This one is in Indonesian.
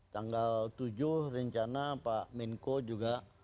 tanggal tujuh rencana pak menko juga